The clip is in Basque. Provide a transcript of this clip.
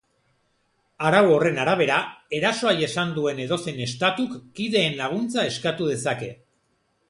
Arau horren arabera, erasoa jasan duen edozein estatuk kideen laguntza eskatu dezake.